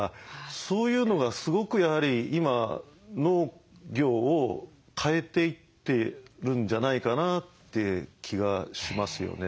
そういうのがすごくやはり今農業を変えていってるんじゃないかなって気がしますよね。